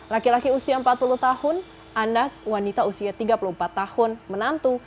laki laki usia empat puluh tahun anak wanita usia tiga puluh empat tahun menantu